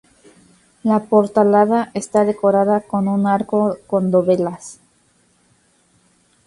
La portalada está decorada con un arco con dovelas.